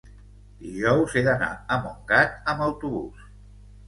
dijous he d'anar a Montgat amb autobús.